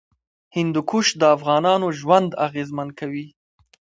هندوکش د افغانانو ژوند اغېزمن کوي.